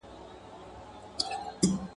چي مور لرې ادکه، په ښه کور به دي واده که.